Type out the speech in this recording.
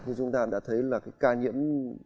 chúng ta đã thấy là cái ca nhiễm